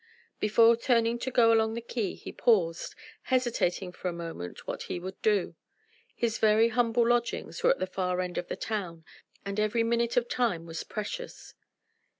Before turning to go along the quay he paused, hesitating for a moment what he would do. His very humble lodgings were at the far end of the town, and every minute of time was precious.